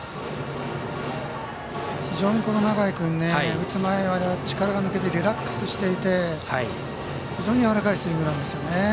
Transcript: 非常に永井君打つ前に力が抜けてリラックスしていて、非常にやわらかいスイングなんですよね。